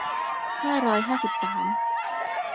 ห้าร้อยห้าสิบสาม